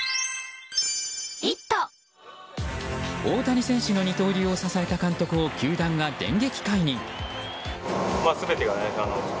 大谷選手の二刀流を支えた監督を、球団が電撃解任。